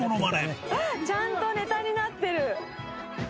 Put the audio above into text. ちゃんとネタになってる。